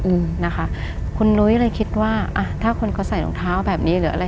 อืมนะคะคุณนุ้ยเลยคิดว่าอ่ะถ้าคนเขาใส่รองเท้าแบบนี้หรืออะไร